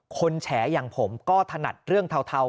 แฉอย่างผมก็ถนัดเรื่องเทา